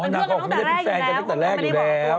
อ๋อน่าบอกว่าเป็นเพื่อนกันตั้งแต่แรกอยู่แล้ว